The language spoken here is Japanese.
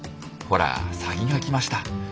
ほらサギが来ました。